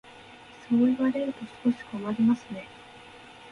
そう言われると少し困りますね。